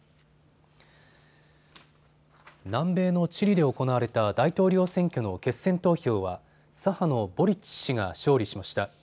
南米のチリで行われた大統領選挙の決選投票は左派のボリッチ氏が勝利しました。